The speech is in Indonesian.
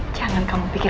jangan kamu pikir